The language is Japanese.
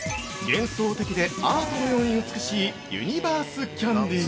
◆幻想的でアートのように美しいユニバースキャンディ。